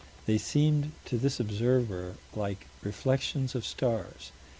They seemed to this observer like reflections of stars.